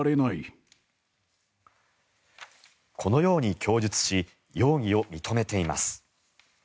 このように供述し容疑を認めています。